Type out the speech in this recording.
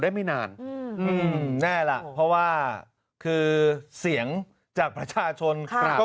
ได้ไม่นานอืมแน่ละเพราะว่าคือเสียงจากประชาชนค่ะก็